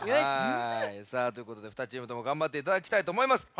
さあということで２チームともがんばっていただきたいとおもいます。